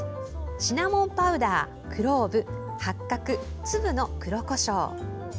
シナモンパウダー、クローブ八角、粒の黒こしょう。